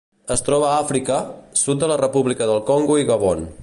Es troba a Àfrica: sud de la República del Congo i Gabon.